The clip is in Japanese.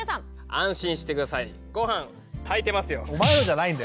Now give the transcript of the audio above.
安心して下さいご飯炊いてますよ。